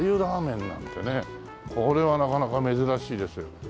これはなかなか珍しいですよ。